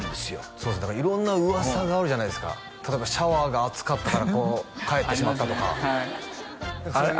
そうですねだから色んな噂があるじゃないですか例えばシャワーが熱かったから帰ってしまったとかありますね